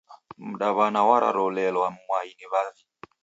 Mdaw'ana waralolelwa mwai ni w'avi.